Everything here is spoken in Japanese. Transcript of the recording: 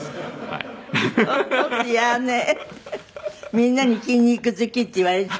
みんなに筋肉好きって言われちゃう。